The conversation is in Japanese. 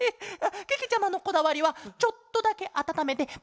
けけちゃまのこだわりはちょっとだけあたためてパクパクおくちに。